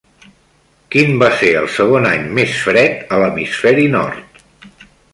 Quin va ser el segon any més fred a l'hemisferi nord?